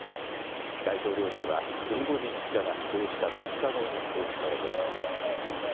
大統領令は、プリゴジン氏らが死亡した２日後に公布されています。